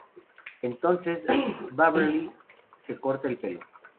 Entonces, Beverly se corta el pelo.